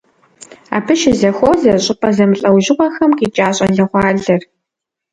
Абы щызэхуозэ щӏыпӏэ зэмылӏэужьыгъуэхэм къикӏа щӏалэгъуалэр.